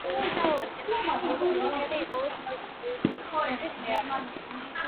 მნიშვნელოვანი კედლის მხატვრობის ნიმუშები იპოვეს სკვითების ნეაპოლში.